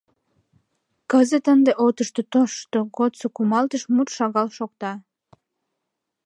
Кызыт ынде отышто тошто годсо «кумалтыш» мут шагал шокта..